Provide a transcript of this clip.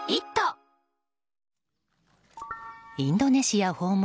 インドネシア訪問